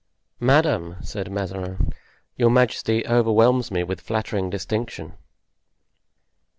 "Madame," said Mazarin, "your majesty overwhelms me with flattering distinction."